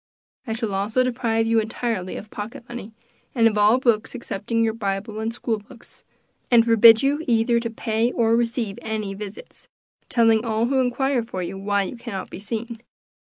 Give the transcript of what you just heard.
I shall also deprive you entirely of pocket money, and of all books excepting your Bible and school books, and forbid you either to pay or receive any visits, telling all who inquire for you, why you cannot be seen.